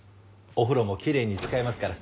お風呂もきれいに使いますから。